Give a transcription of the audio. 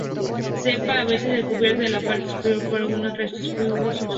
Cepa a veces recubierta en la parte superior por algunos restos fibrosos.